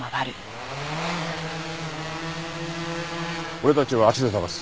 俺たちは足で捜す。